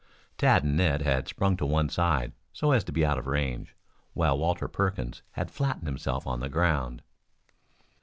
Tad and Ned had sprung to one side so as to be out of range, while Walter Perkins had flattened himself on the ground.